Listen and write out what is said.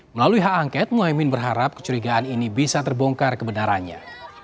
melalui hak angket mohaimin berharap kecurigaan ini bisa terbongkar kebenarannya